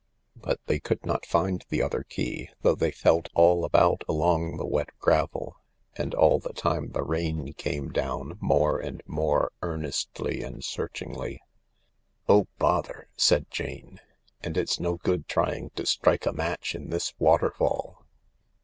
But they could not find the other key, though they felt all about along the wet gravel — and all the time the rain came down, more and more earnestly and searchingly. THE LARK 181 " Oh, bother I " said Jane. " And it's no good trying to strike a match in this waterfall."